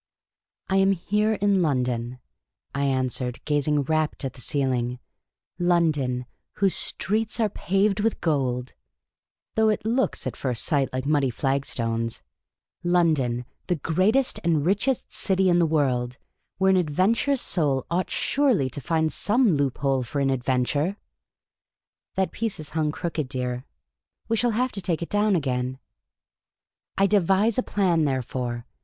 "I am here in London," I an 4 Miss Cayley's Adventures swered, gazing rapt at the ceiling ;" London, whose streets are paved with gold — though it looks at first sight like muddy flagstones ; London, the greatest and richest city in the world, where an adventurous soul ought surely to find some loophole for an adventure. (That piece is hung crooked, dear ; we shall have to take it down again.) I devise a Plan, therefore.